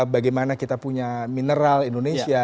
bagaimana kita punya mineral indonesia